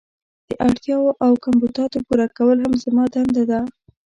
د اړتیاوو او کمبوداتو پوره کول هم زما دنده ده.